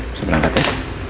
bisa berangkat ya